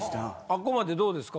あっこまでどうですか？